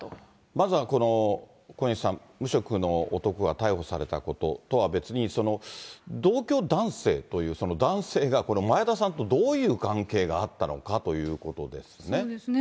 まずは小西さん、無職の男が逮捕されたこととは別に、同居男性という男性が、前田さんとどういう関係があったのかといそうですね。